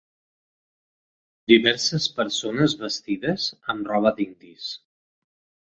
Diverses persones vestides amb roba d'indis.